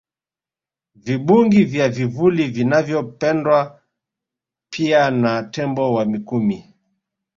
Vibungi vya vivuli vinavyopendwa pia na tembo wa Mikumi